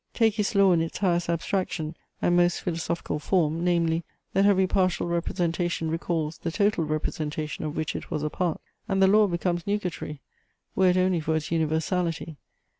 Take his law in its highest abstraction and most philosophical form, namely, that every partial representation recalls the total representation of which it was a part; and the law becomes nugatory, were it only for its universality.